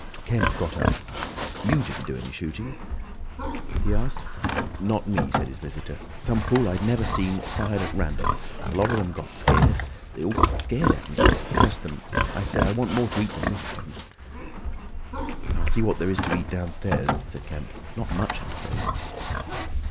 Kemp got up. "You didn't do any shooting?" he asked. "Not me," said his visitor. "Some fool I'd never seen fired at random. A lot of them got scared. They all got scared at me. Curse them!—I say—I want more to eat than this, Kemp." "I'll see what there is to eat downstairs," said Kemp. "Not much, I'm afraid."